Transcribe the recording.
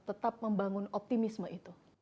tetap membangun optimisme itu